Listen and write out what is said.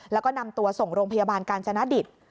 แล้วก็นำตัวส่งโรงพยาบาลกาญจนดิต